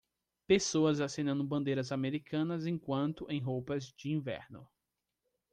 Pessoas acenando bandeiras americanas enquanto em roupas de inverno.